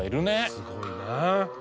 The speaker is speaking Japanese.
すごいなあ。